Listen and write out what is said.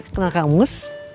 kenal kang mus